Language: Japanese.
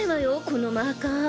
このマーカー。